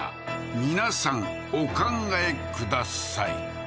皆さんお考えください